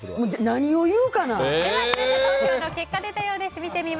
投票結果が出たようです。